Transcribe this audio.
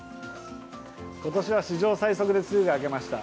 今年は史上最速で梅雨が明けました。